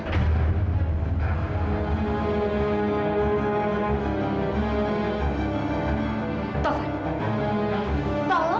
bilang mama kamilah pergi kemana